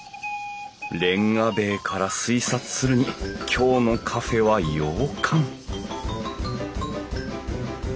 レンガ塀から推察するに今日のカフェは洋館？